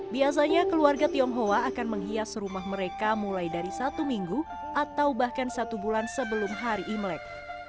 biasanya keluarga tionghoa akan menghias rumah mereka mulai dari satu minggu atau bahkan satu bulan sebelum hari imlek